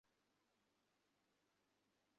এ উত্তরটা সত্য নহে, কিন্তু কটু।